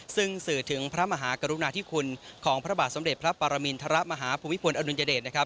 ซึ่งสื่อถึงพระมหากรุณาธิคุณของพระบาทสมเด็จพระปรมินทรมาฮภูมิพลอดุลยเดชนะครับ